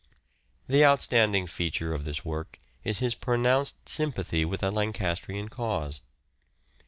The outstanding feature of this work is his pronounced sympathy with the Lancastrian cause.